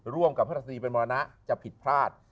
ร่วมกับทฤษฎีเป็นมรณะจะผิดพลาด